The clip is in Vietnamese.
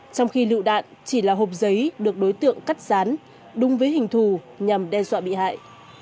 trong khi lựu đạn chỉ là hộp giấy được đối tượng cắt rán đúng với hình thù nhằm đe dọa bị hại